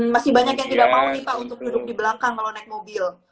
masih banyak yang tidak mau nih pak untuk duduk di belakang kalau naik mobil